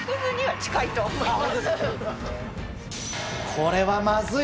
これはまずい。